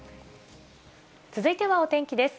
続いてはお天気です。